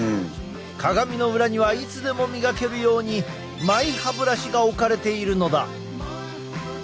鏡の裏にはいつでも磨けるようにマイ歯ブラシが置かれているのだ。